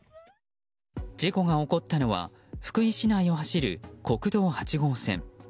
事故が起こったのは福井市内を走る国道８号線。